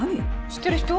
知ってる人？